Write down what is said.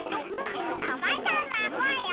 なまたまごよ。